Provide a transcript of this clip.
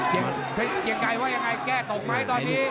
เพชรเกียงไกรว่ายังไงแก้ตกไหมตอนนี้